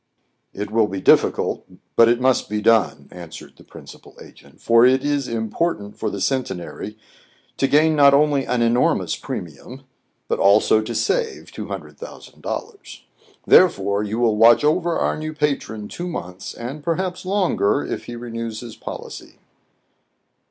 It will be difficult ; but it must be done,". an swered the principal agent :" for it is important for the Centenary to gain not only an enormous premium, but also to save two hundred thousand dollars. Therefore you will watch over our new patron two months, and perhaps longer if he re news his policy."